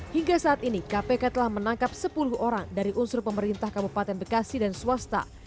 hingga saat ini kpk telah menangkap sepuluh orang dari unsur pemerintah kabupaten bekasi dan swasta